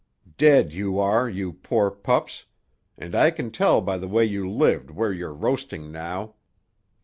Dead you are, you poor pups! And I can tell by the way you lived where you're roasting now.